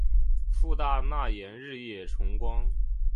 父大纳言日野重光。